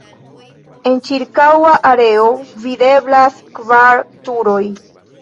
En ĉirkaŭa areo videblas kvar turoj.